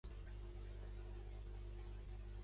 Quants vots calen per a aprovar els canvi pressupostari?